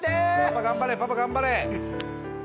パパ頑張れパパ頑張れ！